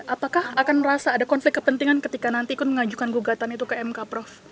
apakah akan merasa ada konflik kepentingan ketika nanti mengajukan gugatan itu ke mk prof